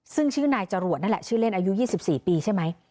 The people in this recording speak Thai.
ซึ่งชื่อนายจรวดนั่นแหละชื่อเล่นอายุ๒๔ปีใช่ไหม